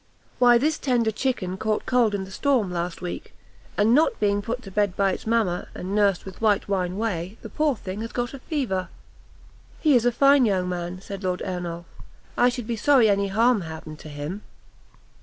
"Why this tender chicken caught cold in the storm last week, and not being put to bed by its mama, and nursed with white wine whey, the poor thing has got a fever." "He is a fine young man," said Lord Ernolf; "I should be sorry any harm happened to him."